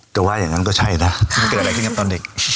จากว่ามันเกิดอะไรขึ้นกับตอนเด็ก